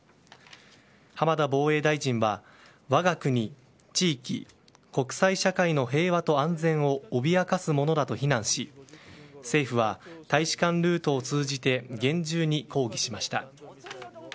浜田防衛大臣は我が国、地域、国際社会の平和と安全を脅かすものだと非難し政府は大使館ルートを通じて厳重に抗議しました。